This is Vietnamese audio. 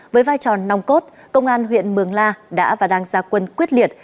với vai tròn nòng cốt công an huyện mường la đã và đang ra quân quyết liệt